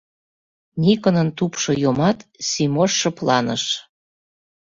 Никонын тупшо йомат, Симош шыпланыш.